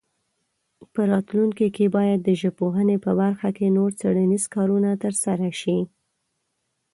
په راتلونکي کې باید د ژبپوهنې په برخه کې نور څېړنیز کارونه ترسره شي.